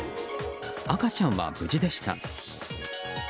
赤ちゃんは無事でした。